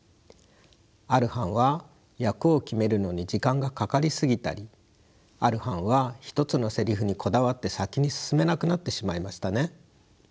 ある班は役を決めるのに時間がかかり過ぎたりある班は１つのせりふにこだわって先に進めなくなってしまいましたね。